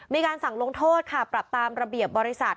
มีการสั่งลงโทษค่ะปรับตามระเบียบบริษัท